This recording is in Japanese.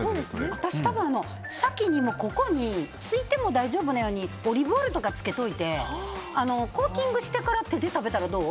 私はついても大丈夫なようにオリーブオイルとかつけておいてコーティングしてから手で食べたらどう？